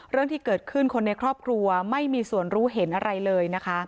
เรื่องที่เกิดขึ้นคนในครอบครัวไม่มีส่วนรู้เห็นอะไรเลยนะคะ